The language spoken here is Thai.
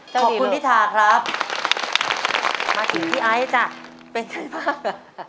ขอบคุณฤทธาครับมาคิดพี่ไอ้จ้ะเป็นไงบ้าง